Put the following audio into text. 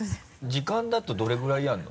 時間だとどれぐらいやるの？